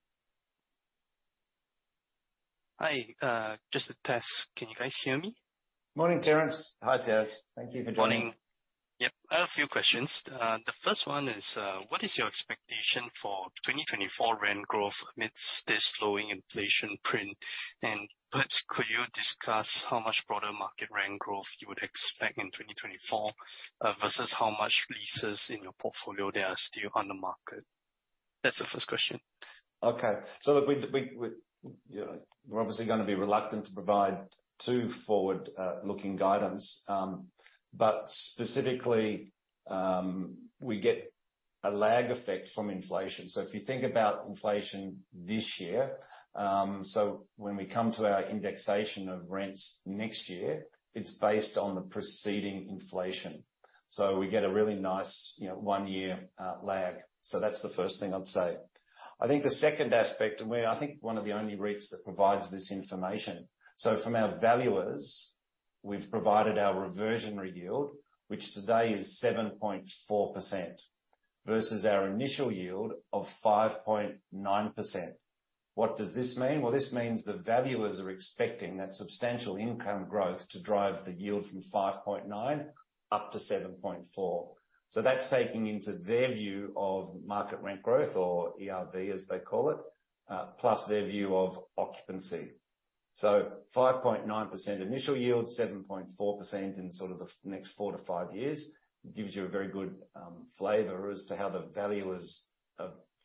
Speaker 5: Hi, just a test. Can you guys hear me?
Speaker 2: Morning, Terrence. Hi, Terrence. Thank you for joining.
Speaker 5: Morning. Yep, I have a few questions. The first one is, what is your expectation for 2024 rent growth amidst this slowing inflation print? Perhaps could you discuss how much broader market rent growth you would expect in 2024 versus how much leases in your portfolio that are still on the market? That's the first question.
Speaker 2: Okay. Look, we, you know, we're obviously gonna be reluctant to provide too forward looking guidance, but specifically, we get a lag effect from inflation. If you think about inflation this year, when we come to our indexation of rents next year, it's based on the preceding inflation, we get a really nice, you know, one-year lag. That's the first thing I'd say. I think the second aspect, and we're, I think, one of the only REITs that provides this information. From our valuers, we've provided our reversionary yield, which today is 7.4%, versus our initial yield of 5.9%. What does this mean? Well, this means the valuers are expecting that substantial income growth to drive the yield from 5.9 up to 7.4. That's taking into their view of market rent growth, or ERV, as they call it, plus their view of occupancy. 5.9% initial yield, 7.4% in sort of the next four to five years, gives you a very good flavor as to how the value is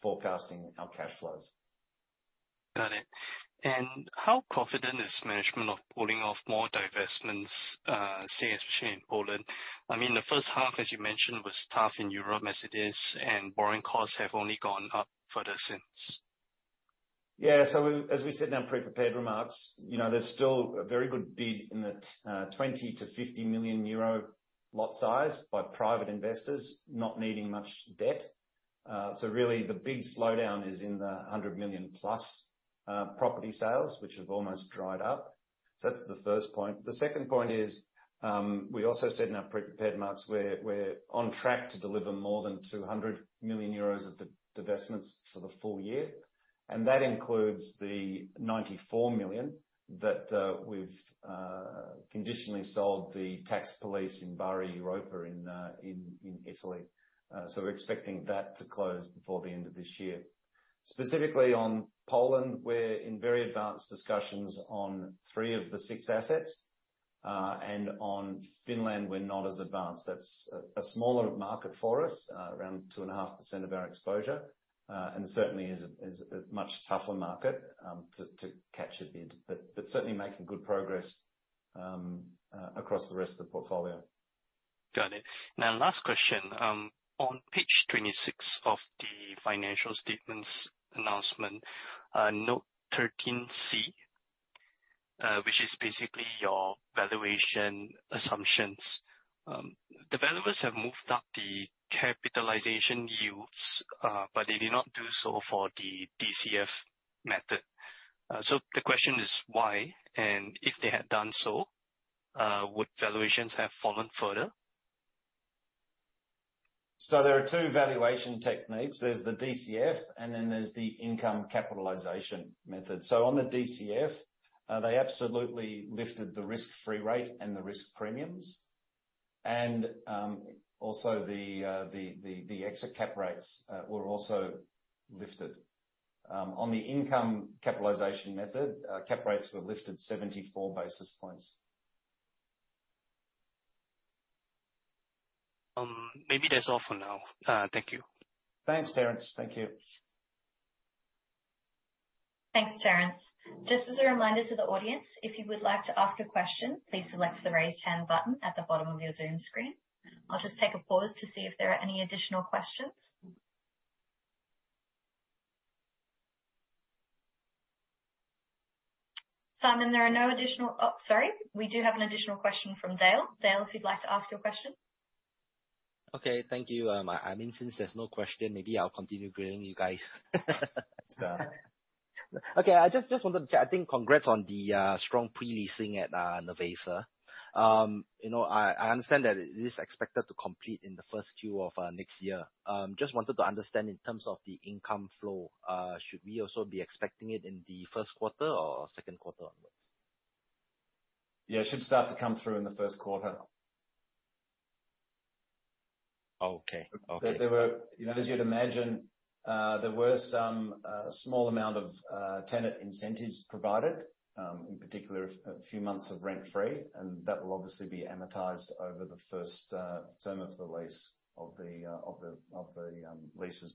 Speaker 2: forecasting our cash flows.
Speaker 5: Got it. How confident is management of pulling off more divestments, saying, especially in Poland? I mean, the first half, as you mentioned, was tough in Europe as it is, and borrowing costs have only gone up further since.
Speaker 2: Yeah. As we said in our pre-prepared remarks, you know, there's still a very good bid in the 20 million-50 million euro lot size by private investors, not needing much debt. Really, the big slowdown is in the 100 million-plus property sales, which have almost dried up. That's the first point. The second point is, we also said in our pre-prepared remarks, we're, we're on track to deliver more than 200 million euros of divestments for the full year, and that includes the 94 million that we've conditionally sold the Tax Police in Bari, Europa in Italy. We're expecting that to close before the end of this year. Specifically on Poland, we're in very advanced discussions on three of the six assets. On Finland, we're not as advanced. That's a, a smaller market for us, around 2.5% of our exposure. It certainly is a, is a much tougher market, to, to capture the bid, but, but certainly making good progress, across the rest of the portfolio.
Speaker 5: Got it. Now, last question. On page 26 of the financial statements announcement, note 13 C, which is basically your valuation assumptions. Developers have moved up the capitalization yields, but they did not do so for the DCF method. The question is why, and if they had done so, would valuations have fallen further?
Speaker 2: There are two valuation techniques. There's the DCF, and then there's the income capitalization method. On the DCF, they absolutely lifted the risk-free rate and the risk premiums, and also the exit cap rates, were also lifted. On the income capitalization method, cap rates were lifted 74 basis points.
Speaker 5: Maybe that's all for now. Thank you.
Speaker 2: Thanks, Terrence. Thank you.
Speaker 1: Thanks, Terrence. Just as a reminder to the audience, if you would like to ask a question, please select the Raise Hand button at the bottom of your Zoom screen. I'll just take a pause to see if there are any additional questions. Simon, there are no additional... Oh, sorry. We do have an additional question from Dale. Dale, if you'd like to ask your question.
Speaker 4: Okay, thank you. I, I mean, since there's no question, maybe I'll continue grilling you guys. Okay, I just, just wanted to-- I think congrats on the strong pre-leasing at Nervesa 21. You know, I, I understand that it is expected to complete in the 1Q of next year. Just wanted to understand in terms of the income flow, should we also be expecting it in the 1Q or 2Q onwards?
Speaker 2: Yeah, it should start to come through in the first quarter.
Speaker 4: Okay. Okay.
Speaker 2: There, there were, you know, as you'd imagine, there were some small amount of tenant incentives provided, in particular, a few months of rent-free, and that will obviously be amortized over the first term of the lease of the, of the, of the, leases.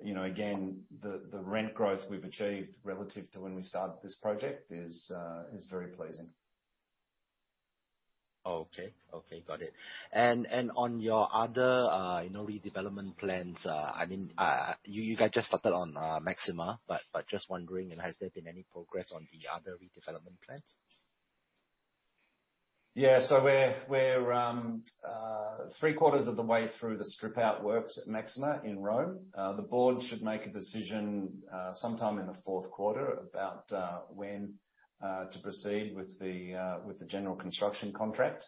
Speaker 2: You know, again, the rent growth we've achieved relative to when we started this project is very pleasing.
Speaker 4: Okay. Okay, got it. On your other, you know, redevelopment plans, I mean, you, you guys just started on Maxima, but just wondering, you know, has there been any progress on the other redevelopment plans?
Speaker 2: We're, we're, three quarters of the way through the strip out works at Maxima in Rome. The board should make a decision sometime in the fourth quarter about when to proceed with the general construction contract.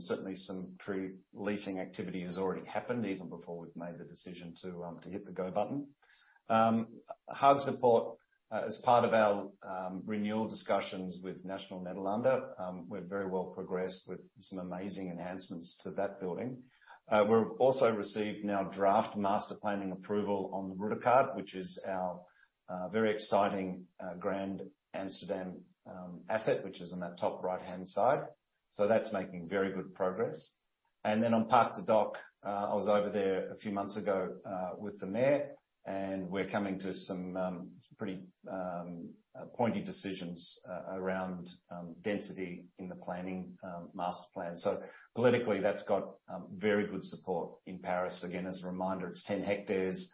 Speaker 2: Certainly some pre-leasing activity has already happened, even before we've made the decision to hit the go button. Haagse Poort, as part of our renewal discussions with Nationale-Nederlanden, we're very well progressed with some amazing enhancements to that building. We've also received now draft master planning approval on the De Ruyterkade, which is our very exciting grand Amsterdam asset, which is on that top right-hand side. That's making very good progress. On Parc des Docks, I was over there a few months ago with the mayor, and we're coming to some pretty pointy decisions around density in the planning master plan. Politically, that's got very good support in Paris. Again, as a reminder, it's 10 hectares.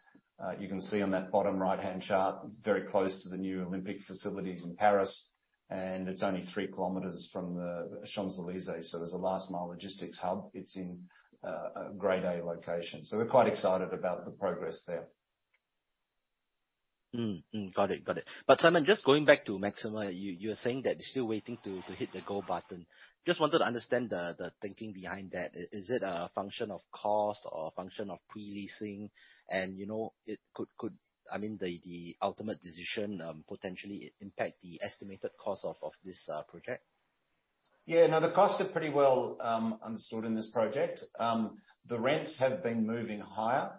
Speaker 2: You can see on that bottom right-hand chart, very close to the new Olympic facilities in Paris, and it's only 3 km from the Champs-Élysées. As a last mile logistics hub, it's in a grade A location. We're quite excited about the progress there.
Speaker 4: Got it. Got it. Simon, just going back to Maxima, you were saying that you're still waiting to hit the go button. Just wanted to understand the, the thinking behind that. Is it a function of cost or a function of pre-leasing? And, you know, it could... I mean, the, the ultimate decision, potentially impact the estimated cost of, of this project?
Speaker 2: No, the costs are pretty well understood in this project. The rents have been moving higher,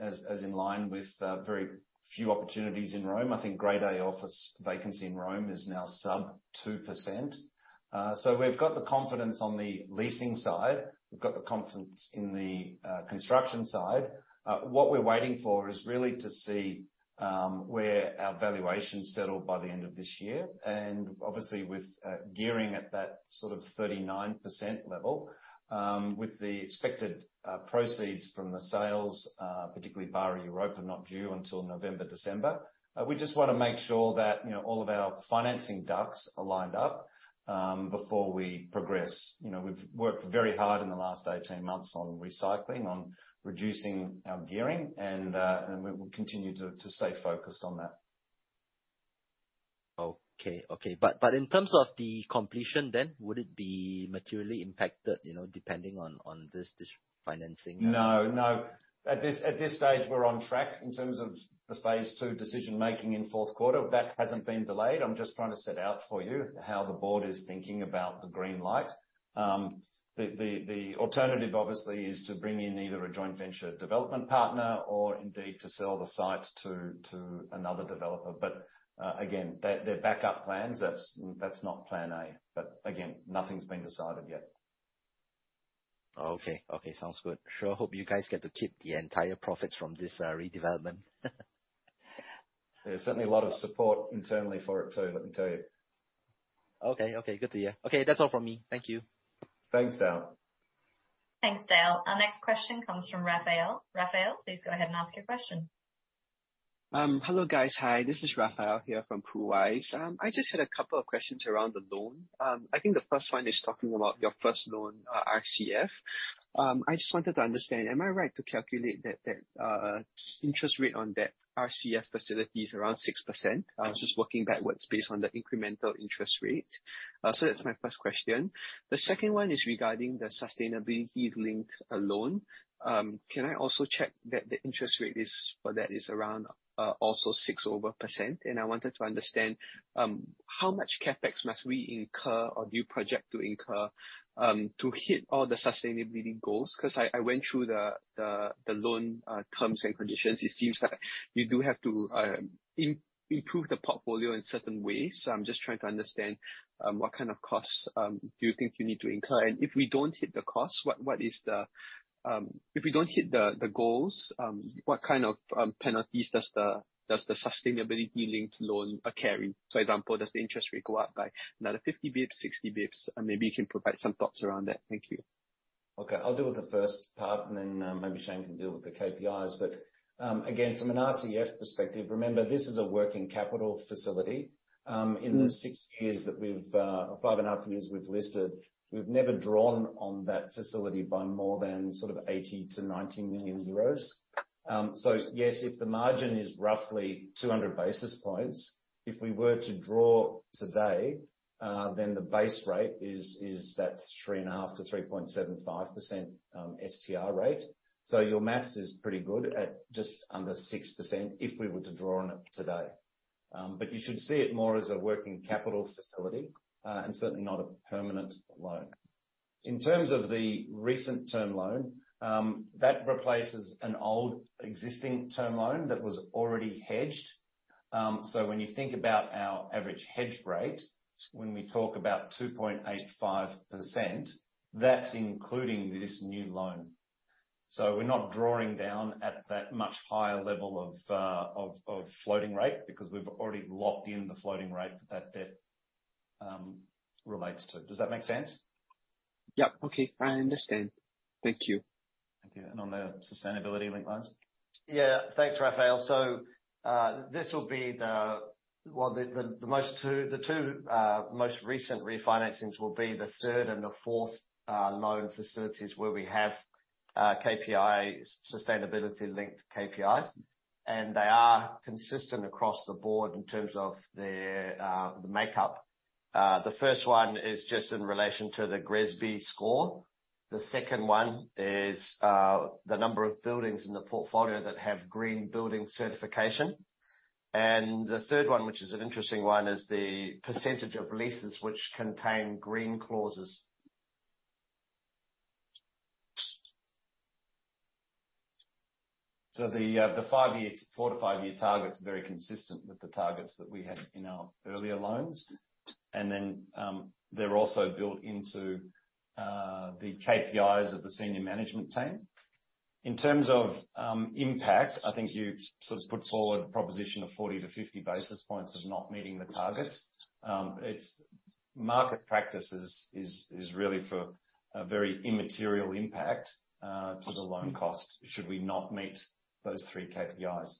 Speaker 2: as, as in line with very few opportunities in Rome. I think Grade A office vacancy in Rome is now sub 2%. So we've got the confidence on the leasing side. We've got the confidence in the construction side. What we're waiting for is really to see where our valuations settle by the end of this year. Obviously, with gearing at that sort of 39% level, with the expected proceeds from the sales, particularly Bari Europa, not due until November, December, we just want to make sure that, you know, all of our financing ducks are lined up before we progress. You know, we've worked very hard in the last 18 months on recycling, on reducing our gearing, and, and we will continue to, to stay focused on that.
Speaker 4: Okay, okay. In terms of the completion then, would it be materially impacted, you know, depending on, on this, this financing?
Speaker 2: No, no. At this, at this stage, we're on track in terms of the phase two decision-making in fourth quarter. That hasn't been delayed. I'm just trying to set out for you how the board is thinking about the green light. The, the, the alternative, obviously, is to bring in either a joint venture development partner or indeed to sell the site to, to another developer. Again, they're backup plans. That's, that's not plan A. Again, nothing's been decided yet.
Speaker 4: Okay, okay, sounds good. Sure hope you guys get to keep the entire profits from this redevelopment.
Speaker 2: There's certainly a lot of support internally for it, too, let me tell you.
Speaker 4: Okay, okay, good to hear. Okay, that's all from me. Thank you.
Speaker 2: Thanks, Dale.
Speaker 1: Thanks, Dale. Our next question comes from Raphael. Raphael, please go ahead and ask your question.
Speaker 6: Hello, guys. Hi, this is Raphael here from PRUWise. I just had a couple of questions around the loan. I think the first one is talking about your first loan, RCF. I just wanted to understand, am I right to calculate that the interest rate on that RCF facility is around 6%? I was just working backwards based on the incremental interest rate. That's my first question. The second one is regarding the sustainability-linked loan. Can I also check that the interest rate is, for that is around, also 6%? I wanted to understand how much CapEx must we incur or do you project to incur to hit all the sustainability goals? Because I, I went through the, the, the loan terms and conditions, it seems like you do have to improve the portfolio in certain ways. I'm just trying to understand what kind of costs do you think you need to incur? If we don't hit the costs, what, what is the? If we don't hit the goals, what kind of penalties does the, does the sustainability-linked loan carry? For example, does the interest rate go up by another 50 basis points, 60 basis points? Maybe you can provide some thoughts around that. Thank you.
Speaker 2: Okay, I'll deal with the first part, and then, maybe Shane can deal with the KPIs. Again, from an RCF perspective, remember, this is a working capital facility. In the six years that we've, or 5.5 years we've listed, we've never drawn on that facility by more than sort of 80 million-90 million euros. Yes, if the margin is roughly 200 basis points, if we were to draw today, then the base rate is, is that 3.5%-3.75%, STR rate. Your math is pretty good at just under 6% if we were to draw on it today. You should see it more as a working capital facility, and certainly not a permanent loan. In terms of the recent term loan, that replaces an old existing term loan that was already hedged. When you think about our average hedge rate, when we talk about 2.85%, that's including this new loan. We're not drawing down at that much higher level of, of, of floating rate, because we've already locked in the floating rate that that debt relates to. Does that make sense?
Speaker 6: Yep. Okay, I understand. Thank you.
Speaker 2: Thank you.
Speaker 6: On the sustainability-linked loans?
Speaker 3: Yeah. Thanks, Raphael. Well, the two most recent refinancings will be the third and the fourth loan facilities, where we have KPI, sustainability-linked KPIs, and they are consistent across the board in terms of their the makeup. The first one is just in relation to the GRESB score. The second one is the number of buildings in the portfolio that have green building certification. The third one, which is an interesting one, is the percentage of leases which contain green clauses. The five year, four to five year target is very consistent with the targets that we had in our earlier loans. Then, they're also built into the KPIs of the senior management team. In terms of impact, I think you sort of put forward a proposition of 40-50 basis points of not meeting the targets. It's, market practice is really for a very immaterial impact to the loan cost, should we not meet those 3 KPIs.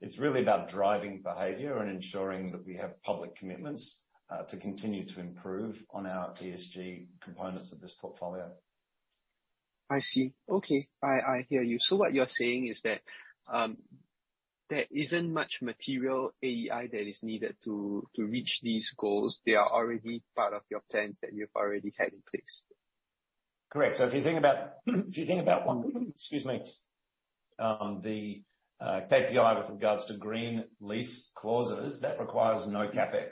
Speaker 3: It's really about driving behavior and ensuring that we have public commitments to continue to improve on our ESG components of this portfolio.
Speaker 6: I see. Okay. I, I hear you. What you're saying is that there isn't much material AEI that is needed to, to reach these goals. They are already part of your plans that you've already had in place?
Speaker 3: Correct. If you think about, if you think about one... Excuse me. The KPI with regards to green lease clauses, that requires no CapEx.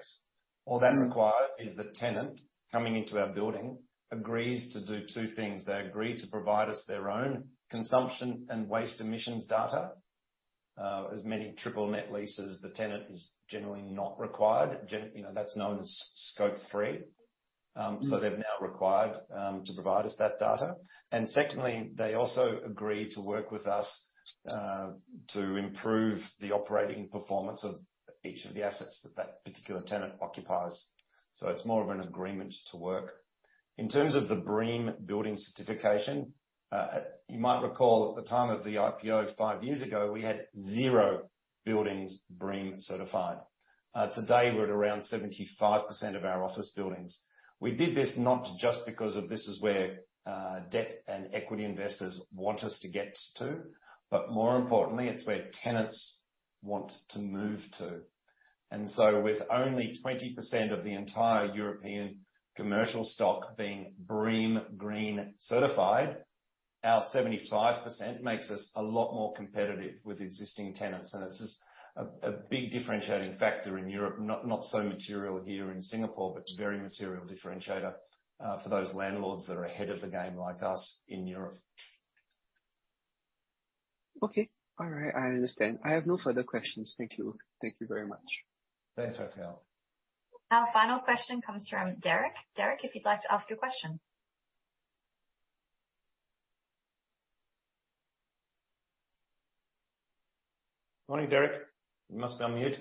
Speaker 3: All that requires is the tenant coming into our building agrees to do two things: They agree to provide us their own consumption and waste emissions data. As many triple net leases, the tenant is generally not required. You know, that's known as Scope 3. They're now required to provide us that data. Secondly, they also agree to work with us to improve the operating performance of each of the assets that that particular tenant occupies. It's more of an agreement to work. In terms of the BREEAM building certification, you might recall at the time of the IPO five years ago, we had zero buildings BREEAM certified. Today, we're at around 75% of our office buildings. We did this not just because of this is where debt and equity investors want us to get to, but more importantly, it's where tenants want to move to. With only 20% of the entire European commercial stock being BREEAM green certified, our 75% makes us a lot more competitive with existing tenants, and this is a big differentiating factor in Europe. Not, not so material here in Singapore, but it's a very material differentiator, for those landlords that are ahead of the game like us in Europe.
Speaker 6: Okay. All right, I understand. I have no further questions. Thank you. Thank you very much.
Speaker 3: Thanks, Raphael.
Speaker 1: Our final question comes from Derek. Derek, if you'd like to ask your question.
Speaker 2: Morning, Derek. You must be on mute.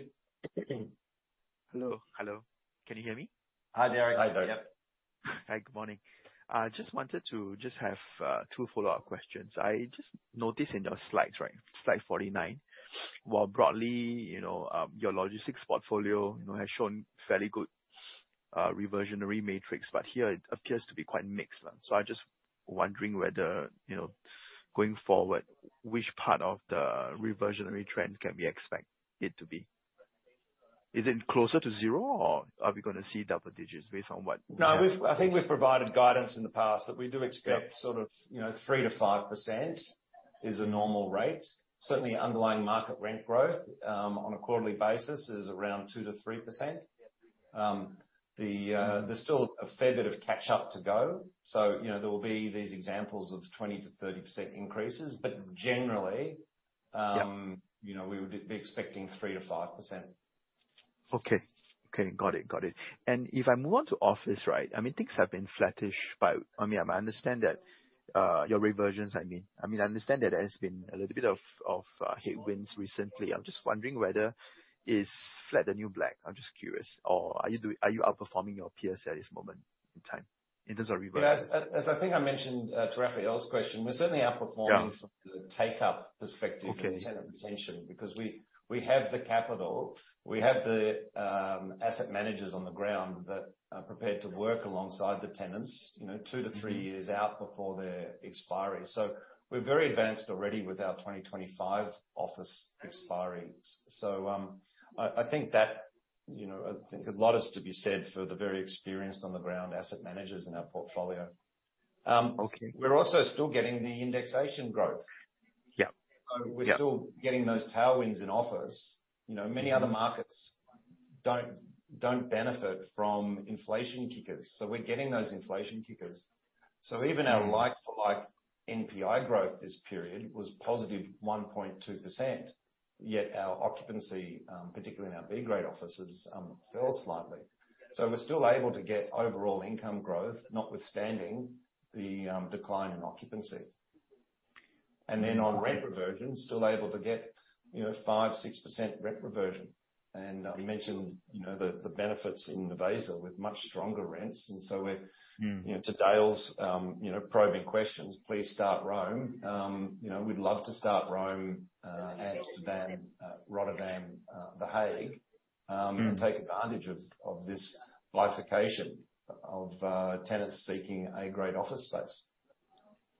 Speaker 7: Hello. Hello. Can you hear me?
Speaker 2: Hi, Derek.
Speaker 6: Hi, Derek.
Speaker 2: Yep.
Speaker 7: Hi. Good morning. I just wanted to just have two follow-up questions. I just noticed in the slides, right, Slide 49, while broadly, you know, your logistics portfolio, you know, has shown fairly good reversionary matrix, but here it appears to be quite mixed. I'm just wondering whether, you know, going forward, which part of the reversionary trend can we expect it to be? Is it closer to zero, or are we gonna see double digits based on what-
Speaker 2: No, we've I think we've provided guidance in the past, that we do expect sort of, you know, 3%-5% is a normal rate. Certainly, underlying market rent growth, on a quarterly basis is around 2%-3%. The, there's still a fair bit of catch up to go, so, you know, there will be these examples of 20%-30% increases. Generally,
Speaker 7: Yep.
Speaker 2: You know, we would be expecting 3%-5%.
Speaker 7: Okay. Okay, got it. Got it. If I move on to office, right, I mean, things have been flattish, but, I mean, I understand that your reversions, I mean. I mean, I understand that there has been a little bit of, of, headwinds recently. I'm just wondering whether is flat the new black? I'm just curious. Are you do- are you outperforming your peers at this moment in time, in terms of reversions?
Speaker 2: Yeah, as, as I think I mentioned, to Raphael's question, we're certainly outperforming-
Speaker 7: Yeah.
Speaker 2: From the take-up perspective...
Speaker 7: Okay...
Speaker 2: and tenant retention, because we, we have the capital, we have the asset managers on the ground that are prepared to work alongside the tenants, you know, two to three years out before their expiry. We're very advanced already with our 2025 office expiries. I, I think that, you know, I think a lot is to be said for the very experienced on the ground asset managers in our portfolio.
Speaker 7: Okay.
Speaker 2: We're also still getting the indexation growth.
Speaker 7: Yep. Yep.
Speaker 2: We're still getting those tailwinds in office. You know, many other markets don't, don't benefit from inflation kickers, so we're getting those inflation kickers. Even our like for like, NPI growth this period was positive 1.2%, yet our occupancy, particularly in our B-grade offices, fell slightly. We're still able to get overall income growth, notwithstanding the decline in occupancy. On rent reversion, still able to get, you know, 5%, 6% rent reversion. We mentioned, you know, the, the benefits in the Basel with much stronger rents. We're. You know, to Dale's, you know, probing questions, please start Rome. You know, we'd love to start Rome, Amsterdam, Rotterdam, The Hague and take advantage of, of this bifurcation of, tenants seeking A-grade office space.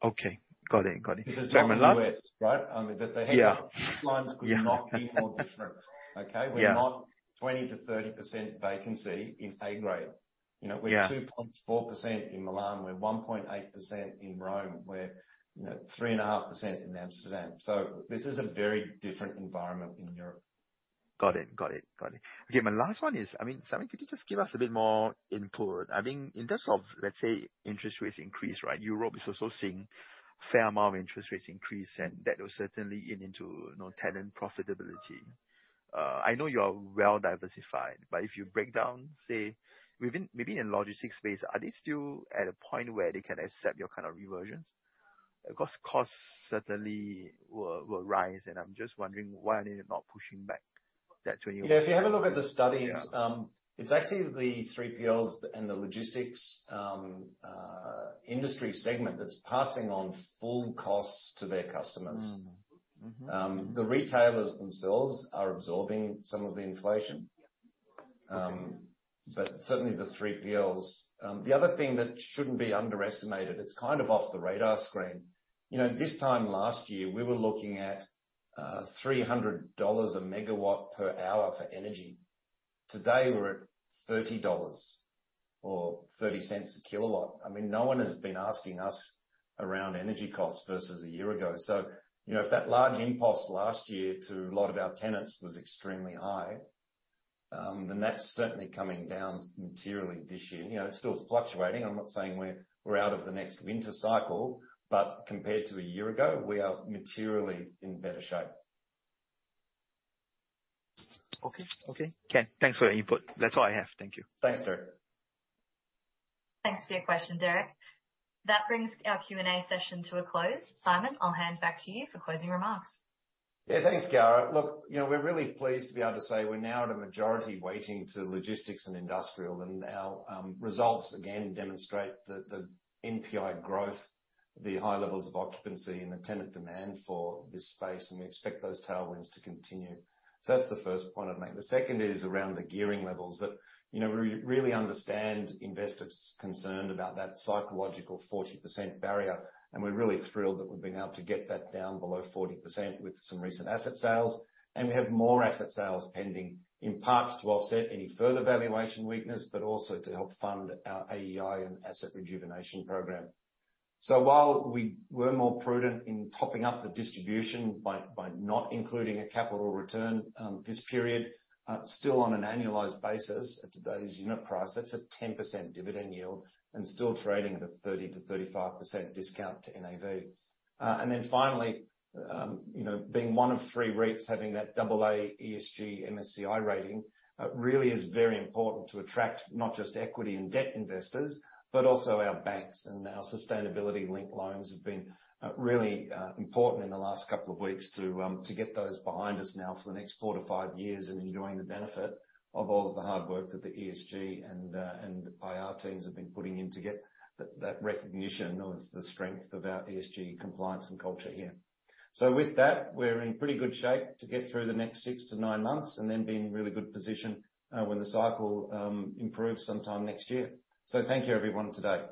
Speaker 7: Okay. Got it. Got it.
Speaker 2: This is not the U.S., right? I mean.
Speaker 7: Yeah.
Speaker 2: Lines could not be more different.
Speaker 7: Yeah.
Speaker 2: Okay? We're not 20%-30% vacancy in Grade A.
Speaker 7: Yeah.
Speaker 2: You know, we're 2.4% in Milan. We're 1.8% in Rome. We're, you know, 3.5% in Amsterdam. This is a very different environment in Europe.
Speaker 7: Got it. Got it. Got it. Okay, my last one is, I mean, Simon, could you just give us a bit more input? I think in terms of, let's say, interest rates increase, right? Europe is also seeing a fair amount of interest rates increase, that will certainly lean into, you know, tenant profitability. I know you are well diversified, but if you break down, say, within, maybe in logistics space, are they still at a point where they can accept your kind of reversions? Because costs certainly will, will rise, and I'm just wondering why are they not pushing back that 20-.
Speaker 2: Yeah, if you have a look at the studies-
Speaker 7: Yeah
Speaker 2: It's actually the 3PLs and the logistics industry segment that's passing on full costs to their customers. The retailers themselves are absorbing some of the inflation. Certainly the 3PLs... The other thing that shouldn't be underestimated, it's kind of off the radar screen. You know, this time last year, we were looking at $300 a megawatt per hour for energy. Today, we're at $30, or $0.30 a kilowatt. I mean, no one has been asking us around energy costs versus a year ago. You know, if that large impulse last year to a lot of our tenants was extremely high, then that's certainly coming down materially this year. You know, it's still fluctuating. I'm not saying we're out of the next winter cycle, but compared to a year ago, we are materially in better shape.
Speaker 7: Okay. Okay, Thanks for the input. That's all I have. Thank you.
Speaker 2: Thanks, Derek.
Speaker 1: Thanks for your question, Derek. That brings our Q&A session to a close. Simon, I'll hand back to you for closing remarks.
Speaker 2: Yeah. Thanks, Kara. Look, you know, we're really pleased to be able to say we're now at a majority weighting to logistics and industrial. Our results, again, demonstrate the NPI growth, the high levels of occupancy, and the tenant demand for this space. We expect those tailwinds to continue. That's the first point I'd make. The second is around the gearing levels, that, you know, we really understand investors' concern about that psychological 40% barrier. We're really thrilled that we've been able to get that down below 40% with some recent asset sales. We have more asset sales pending, in part to offset any further valuation weakness, but also to help fund our AEI and asset rejuvenation program. While we were more prudent in topping up the distribution by not including a capital return, this period, still on an annualized basis at today's unit price, that's a 10% dividend yield, and still trading at a 30%-35% discount to NAV. Finally, you know, being one of three REITs, having that double A ESG MSCI rating, really is very important to attract not just equity and debt investors, but also our banks. Our sustainability-linked loans have been really important in the last couple of weeks to get those behind us now for the next four to five years, and enjoying the benefit of all of the hard work that the ESG and IR teams have been putting in to get that recognition of the strength of our ESG compliance and culture here. With that, we're in pretty good shape to get through the next six to nine months, and then be in really good position when the cycle improves sometime next year. Thank you, everyone, today.